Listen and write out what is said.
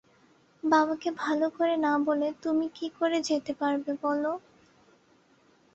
বাবাকে ভালো করে না বলে তুমি কী করে যেতে পারবে বলো।